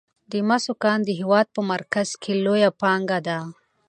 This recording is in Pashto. د مسو کان د هیواد په مرکز کې لویه پانګه ده.